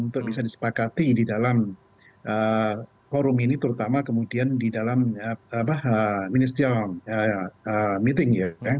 yang bisa disepakati di dalam forum ini terutama kemudian di dalam meeting ya